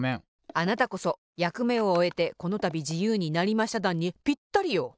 あなたこそ「やくめをおえてこのたびじゆうになりましただん」にぴったりよ。